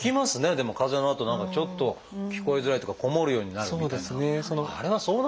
でも風邪のあと何かちょっと聞こえづらいっていうかこもるようになるみたいな。